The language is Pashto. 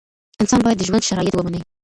انسان باید د ژوند شرایط ومني.